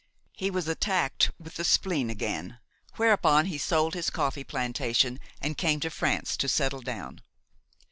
He was attacked with the spleen again; whereupon he sold his coffee plantation and came to France to settle down.